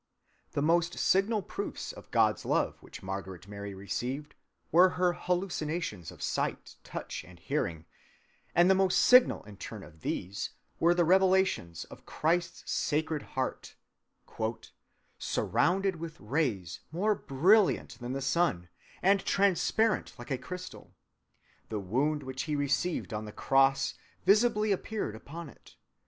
"(201) The most signal proofs of God's love which Margaret Mary received were her hallucinations of sight, touch, and hearing, and the most signal in turn of these were the revelations of Christ's sacred heart, "surrounded with rays more brilliant than the Sun, and transparent like a crystal. The wound which he received on the cross visibly appeared upon it.